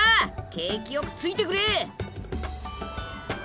景気よくついてくれ！